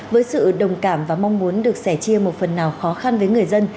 với sự đồng cảm và mong muốn được sẻ chia một phần nào khó khăn với người dân